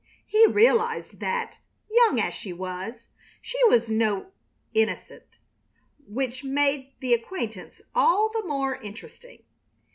He realized that, young as she was, she was no innocent, which made the acquaintance all the more interesting.